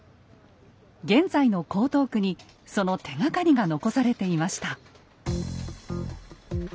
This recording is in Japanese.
現在の江東区にその手がかりが残されていました。